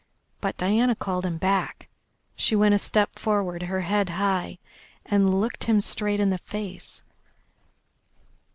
But Diana called him back. She went a step forward, her head high, and looked him straight in the face.